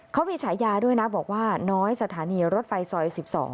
เขามีฉายาด้วยนะบอกว่าน้อยสถานีรถไฟซอย๑๒